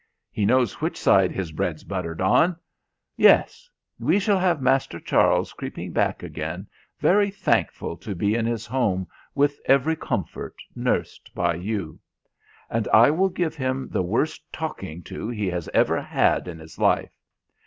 He knows which side his bread's buttered. Yes! we shall have Master Charles creeping back again, very thankful to be in his home with every comfort, nursed by you; and I will give him the worse talking to be has ever had in his life!"